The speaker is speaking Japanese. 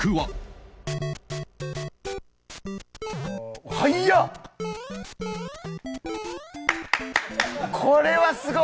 これはすごい！